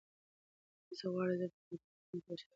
که تاسي وغواړئ زه به دا پوسټ درسره شریک کړم.